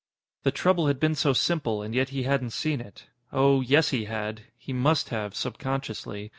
The trouble had been so simple, and yet he hadn't seen it. Oh, yes, he had! He must have, subconsciously.